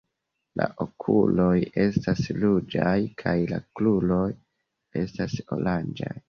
La okuloj estas ruĝaj kaj la kruroj estas oranĝaj.